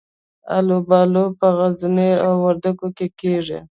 الوبالو په غزني او وردګو کې کیږي.